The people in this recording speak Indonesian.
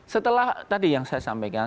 setelah tadi yang saya sampaikan